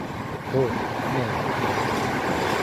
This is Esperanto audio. Ho, ne! Ne!